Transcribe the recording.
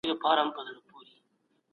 لوستې مور ناروغ ماشوم جلا ساتي.